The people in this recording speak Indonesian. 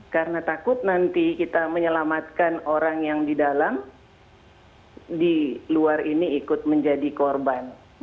karena takut nanti kita menyelamatkan orang yang di dalam di luar ini ikut menjadi korban